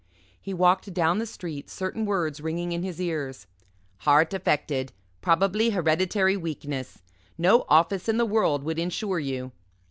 He walked down the street, certain words ringing in his ears "Heart affected probably hereditary weakness. No office in the world would insure you."